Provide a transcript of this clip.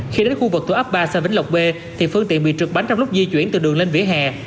khi đến khu vực tổ áp ba xã vĩnh lọc b thì phương tiện bị trượt bánh trong lúc di chuyển từ đường lên vỉa hè